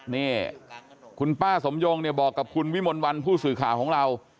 นี่คุณป้าสมยงเนี่ยบอกกับคุณวิมลวันผู้สื่อข่าวของเรา